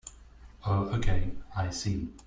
Oh okay, I see.